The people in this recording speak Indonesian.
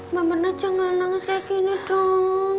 mbak mirna jangan nangis lagi ya dong